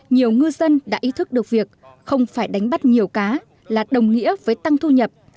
nhiều ngư dân đã ý thức được việc không phải đánh bắt nhiều cá là đồng nghĩa với tăng thu nhập